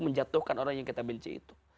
menjatuhkan orang yang kita benci itu